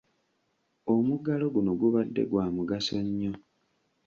Omuggalo guno gubadde gwa mugaso nnyo.